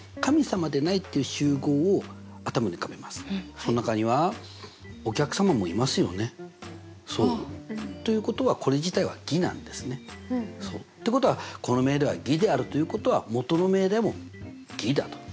その中にはお客様もいますよね。ということはこれ自体は偽なんですね。ってことはこの命題は偽であるということは元の命題も偽だと。